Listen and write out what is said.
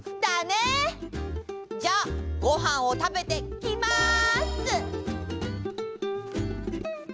じゃあごはんをたべてきます！